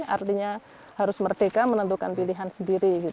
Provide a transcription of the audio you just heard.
artinya harus merdeka menentukan pilihan sendiri